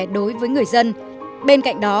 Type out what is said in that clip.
đối với người dân bên cạnh đó